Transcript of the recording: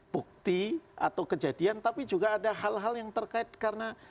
bukti atau kejadian tapi juga ada hal hal yang terkait karena